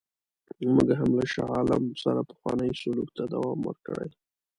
موږ هم له شاه عالم سره پخوانی سلوک ته دوام ورکړی.